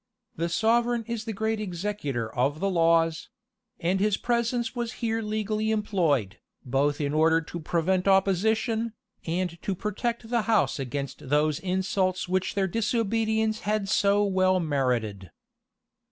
The sovereign is the great executor of the laws; and his presence was here legally employed, both in order to prevent opposition, and to protect the house against those insults which their disobedience had so well merited.